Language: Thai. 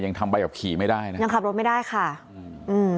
ยังทำใบแบบขี่ไม่ได้นะยังขับรถไม่ได้ค่ะอืมอืม